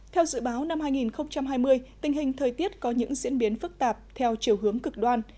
theo dự báo năm hai nghìn hai mươi tình hình thời tiết có những diễn biến phức tạp theo chiều hướng cực đoan